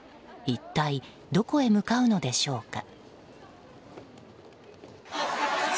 一体、どこへ向かうのでしょうか。